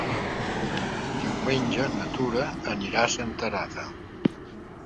Diumenge na Tura anirà a Senterada.